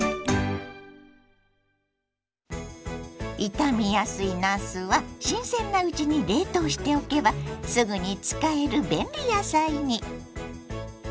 傷みやすいなすは新鮮なうちに冷凍しておけばすぐに使える便利野菜に。